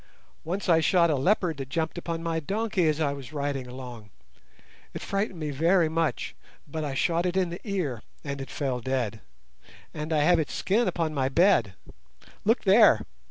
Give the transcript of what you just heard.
Once I shot a leopard that jumped upon my donkey as I was riding along. It frightened me very much, but I shot it in the ear and it fell dead, and I have its skin upon my bed. Look there!"